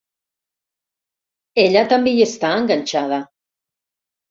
Ella també hi està enganxada.